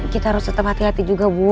kita harus tetap hati hati juga bu